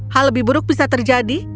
hal lebih buruk bisa terjadi